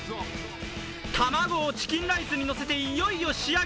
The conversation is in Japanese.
卵をチキンライスにのせていよいよ仕上げ！